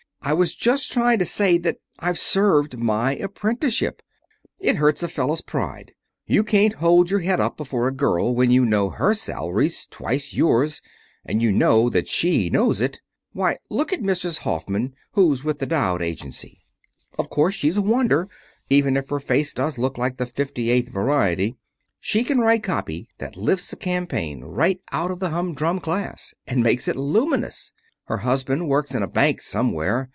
I was just trying to say that I've served my apprenticeship. It hurts a fellow's pride. You can't hold your head up before a girl when you know her salary's twice yours, and you know that she knows it. Why look at Mrs. Hoffman, who's with the Dowd Agency. Of course she's a wonder, even if her face does look like the fifty eighth variety. She can write copy that lifts a campaign right out of the humdrum class, and makes it luminous. Her husband works in a bank somewhere.